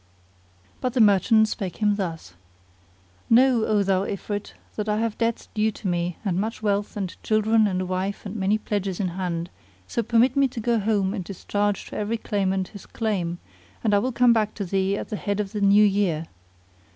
But the merchant spake him thus, "Know, O thou Ifrit, that I have debts due to me and much wealth and children and a wife and many pledges in hand; so permit me to go home and discharge to every claimant his claim; and I will come back to thee at the head of the new year.